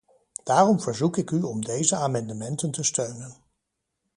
Daarom verzoek ik u om deze amendementen te steunen.